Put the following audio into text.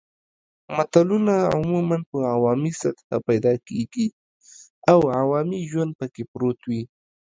متلونه عموماً په عوامي سطحه پیدا کیږي او عوامي ژوند پکې پروت وي